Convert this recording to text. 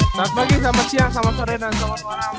selamat pagi selamat siang selamat sore dan selamat warang